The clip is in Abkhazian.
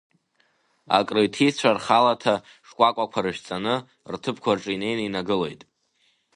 Акрыҭицәа рхалаҭа шкәакәақәа рышәҵаны, рҭыԥқәа рҿы инеины инагылеит.